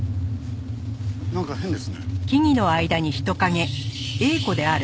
なんか変ですね。